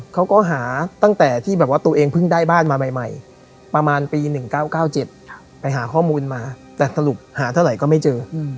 เขาก็หาตั้งแต่ที่แบบว่าตัวเองเพิ่งได้บ้านมาใหม่ประมาณปี๑๙๙๗ไปหาข้อมูลมาแต่สรุปหาเท่าไหร่ก็ไม่เจอ